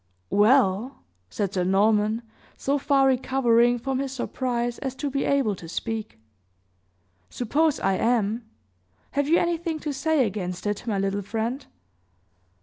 "Well," said Sir Norman, so far recovering from his surprise as to be able to speak, "suppose I am? Have you anything to say against it, my little friend?"